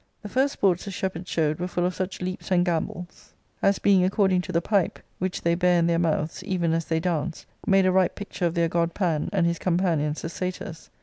The first sports the shepherds showed were full of such leaps and gambols as io6 ARCADIA.^Book I. being according to the pipe (which they bare in their mouths, even as they danced), made a right picture of their god Pan, and his companions the satyrs.